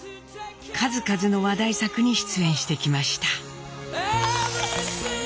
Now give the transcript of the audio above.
数々の話題作に出演してきました。